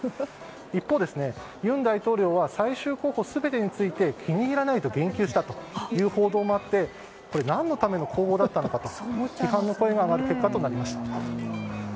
一方、尹大統領は最終候補全てについて気に入らないと言及したという報道もあって何のための公募だったのかと批判の声が上がる結果となりました。